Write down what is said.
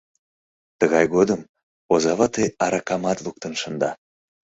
Тыгай годым оза вате аракамат луктын шында.